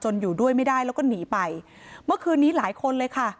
อยู่ด้วยไม่ได้แล้วก็หนีไปเมื่อคืนนี้หลายคนเลยค่ะ